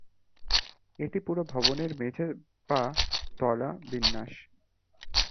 এটি পুরো ভবনের মেঝে বা তলা বিন্যাস।